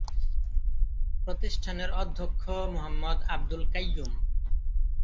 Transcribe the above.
প্রতিষ্ঠানের অধ্যক্ষ মোহাম্মদ আবদুল কাইয়ুম।